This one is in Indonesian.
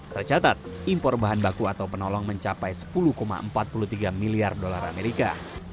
tercatat impor bahan baku atau penolong mencapai sepuluh empat puluh tiga miliar dolar amerika